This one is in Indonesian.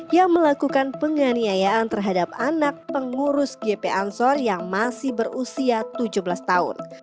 yang melakukan penganiayaan terhadap anak pengurus gp ansor yang masih berusia tujuh belas tahun